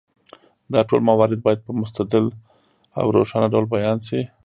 دا ټول موارد باید په مستدل او روښانه ډول بیان شي.